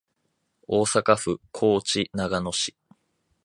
大阪府河内長野市